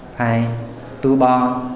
phải tu bò